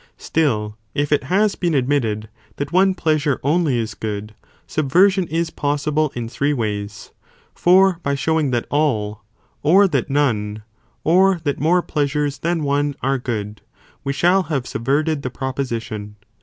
Still, if it has been admitted that one pleasure only is good, subversion is possible in three ways, for by showing that all, or that none, or that more (pleasures) than one, are good, we shall have subverted the proposition.